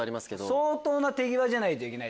相当な手際じゃないといけない。